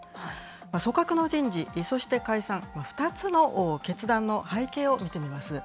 組閣の人事、そして解散、２つの決断の背景を見てみます。